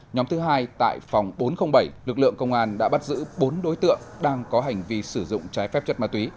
nhóm thứ hai tại phòng bốn trăm linh bảy lực lượng công an đã bắt giữ bốn đối tượng đang có hành vi sử dụng trái phép chất ma túy